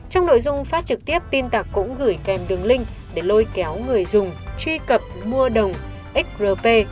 trong nội dung phát trực tiếp tin tặc cũng gửi kèm đường link để lôi kéo người dùng truy cập mua đồng xrp